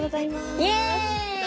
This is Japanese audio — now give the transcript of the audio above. イエーイ！